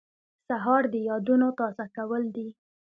سهار د یادونو تازه کول دي.